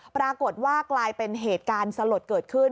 ปรากฏว่ากลายเป็นเหตุการณ์สลดเกิดขึ้น